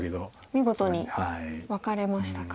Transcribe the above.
見事にワカれましたか。